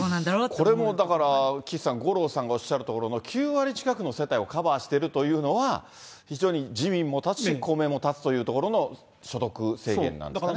これも、だから、岸さん、五郎さんがおっしゃるのは、９割近くの世帯をカバーしてるというのは、非常に自民も立つし、公明も立つというところの所得制限なんですかね。